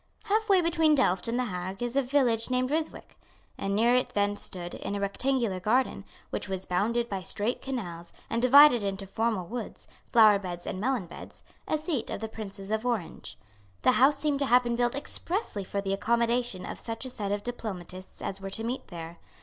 Half way between Delft and the Hague is a village named Ryswick; and near it then stood, in a rectangular garden, which was bounded by straight canals, and divided into formal woods, flower beds and melon beds, a seat of the Princes of Orange. The house seemed to have been built expressly for the accommodation of such a set of diplomatists as were to meet there.